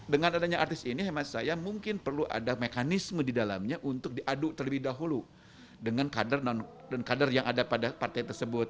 dengan adanya artis ini mungkin perlu ada mekanisme di dalamnya untuk diaduk terlebih dahulu dengan kader yang ada pada partai tersebut